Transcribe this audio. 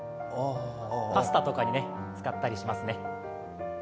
パスタとかに使ったりしますね。